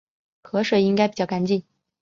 河水应该比较干净